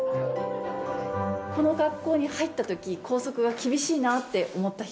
この学校に入ったとき、校則が厳しいなって思った人？